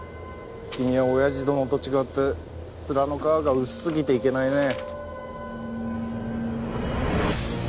君は親父殿と違って面の皮が薄すぎていけないね。